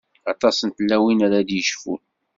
Aṭas n tlawin ara d-yecfun.